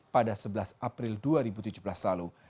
pada sebelas april dua ribu tujuh belas lalu